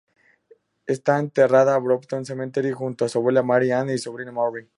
Está enterrada en Brompton Cemetery, junto a su abuela, Mary Ann, y sobrina, Marie.